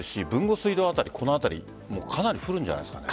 水道辺りかなり降るんじゃないですかね。